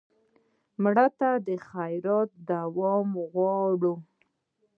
مړه ته د خیرات دوام غواړو